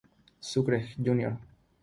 Sucre, jr.